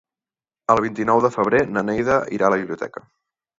El vint-i-nou de febrer na Neida irà a la biblioteca.